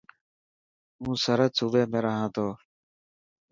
هون سرهد صوبي ۾ رها تو.